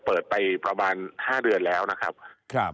เปิดไปประมาณ๕เดือนแล้วนะครับ